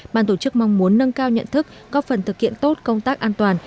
ban tổ chức mong muốn nâng cao nhận thức góp phần thực hiện tốt công tác an toàn